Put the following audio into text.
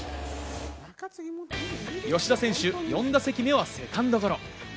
吉田選手、４打席目はセカンドゴロ。